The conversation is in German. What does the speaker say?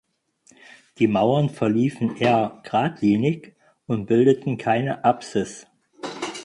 Die Mauern verliefen eher geradlinig und bildeten keine Apsis.